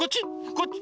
こっち？